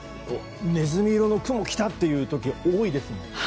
ねずみ色の雲がきたっていう時が多いですもん。